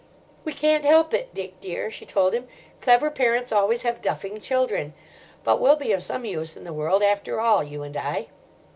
"We can't help it, Dick dear," she told him. "Clever parents always have duffing children. But we'll be of some use in the world after all, you and I."